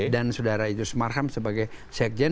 dan sudara yudhus marham sebagai sekjen